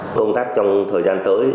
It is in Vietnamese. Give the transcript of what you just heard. công tác trong thời gian tới